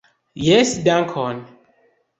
Jes dankon!